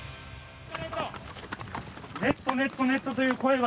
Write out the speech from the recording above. ネットネットネットという声が。